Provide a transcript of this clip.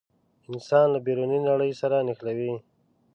انسان له بیروني نړۍ سره نښلوي.